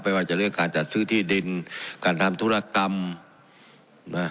ว่าจะเรื่องการจัดซื้อที่ดินการทำธุรกรรมนะ